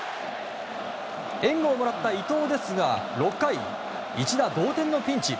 援護をもらった伊藤ですが６回、一打同点のピンチ。